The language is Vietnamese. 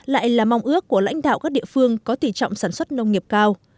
lại là mong ước của lãnh đạo các địa phương có tỷ trọng sản xuất nông nghiệp cao